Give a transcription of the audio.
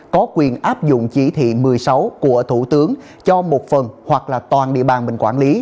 có quyền áp dụng chỉ thị một mươi sáu của thủ tướng cho một phần hoặc là toàn địa bàn mình quản lý